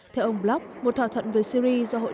theo ông block một thỏa thuận với syri do hội đồng quốc tế